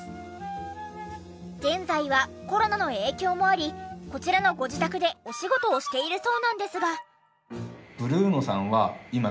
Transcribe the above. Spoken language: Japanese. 現在はコロナの影響もありこちらのご自宅でお仕事をしているそうなんですが。